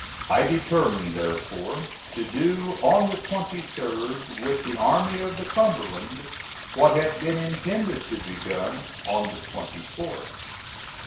I determined, therefore, to do on the 23d, with the Army of the Cumberland, what had been intended to be done on the 24th.